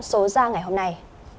số ra ngày hôm nay